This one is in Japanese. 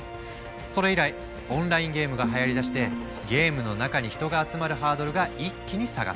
それ以来オンラインゲームがはやりだしてゲームの中に人が集まるハードルが一気に下がった。